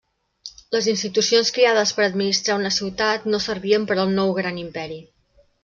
Les institucions creades per a administrar una ciutat no servien per al nou gran imperi.